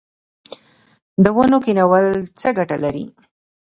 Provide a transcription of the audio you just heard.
د ونو کینول څه ګټه لري؟